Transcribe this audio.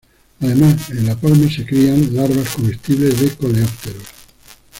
Además en la palma se crían larvas comestibles de coleópteros.